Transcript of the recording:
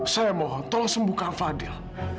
saya mohon tolong sembuhkan fadil